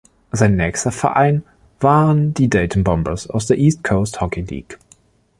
Sein nächster Verein waren die Dayton Bombers aus der East Coast Hockey League.